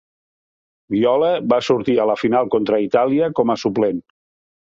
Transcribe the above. Viola va sortir a la final contra Itàlia com a suplent.